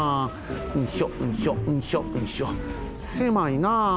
うんしょうんしょうんしょうんしょせまいな！